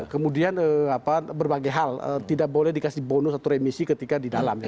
kemudian berbagai hal tidak boleh dikasih bonus atau remisi ketika di dalam